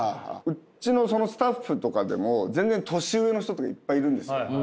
うちのスタッフとかでも全然年上の人とかいっぱいいるんですよ。